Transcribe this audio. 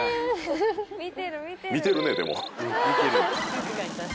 見てるねでも。